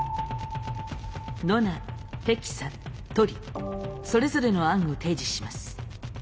ノナヘキサトリそれぞれの案を提示します。